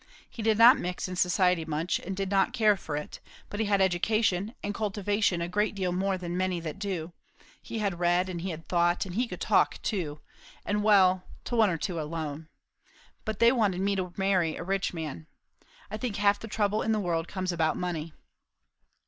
He did not mix in society much, and did not care for it; but he had education and cultivation a great deal more than many that do; he had read and he had thought, and he could talk too, and well, to one or two alone. But they wanted me to marry a rich man. I think half the trouble in the world comes about money."